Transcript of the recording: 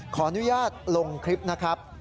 ขออนุญาตลงคลิปนะครับ